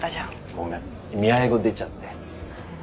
ごめん未来語出ちゃって。